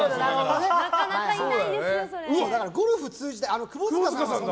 ゴルフを通じて窪塚さんと。